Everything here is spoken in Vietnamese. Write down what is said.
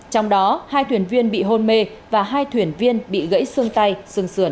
trong đó hai thuyền viên bị hôn mê và hai thuyền viên bị gãy xương tay xương sườn